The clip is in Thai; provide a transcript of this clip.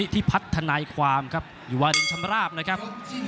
ที่พัฒนาความครับอยู่วารินชำราบนะครับ